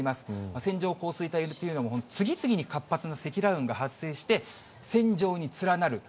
線状降水帯っていうのは次々に活発な積乱雲が発生して、線状に連なる。